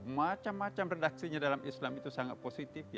macam macam redaksinya dalam islam itu sangat positif